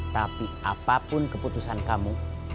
tapi apapun keputusan kamu